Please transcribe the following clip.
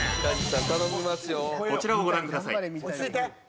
「こちらをご覧ください」